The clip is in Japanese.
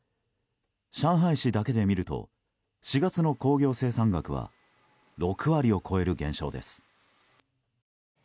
上海市だけでみると４月の工業生産額は６割を超える減少です。